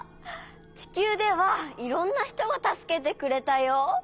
ちきゅうではいろんなひとがたすけてくれたよ。